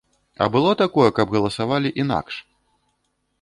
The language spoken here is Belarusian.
А было такое, каб галасавалі інакш?